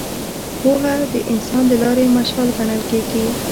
پوهه د انسان د لارې مشال ګڼل کېږي.